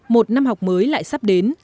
một năm học mới lại sắp đến